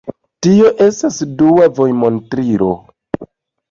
Tio estas dua vojmontrilo.